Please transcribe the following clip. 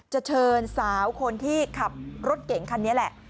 จะเชิญสาวคนที่ขับรถเก่งคันนี้แหละ